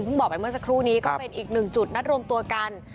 บอกไปเมื่อสักครู่นี้ก็เป็นอีกหนึ่งจุดนัดรวมตัวกัน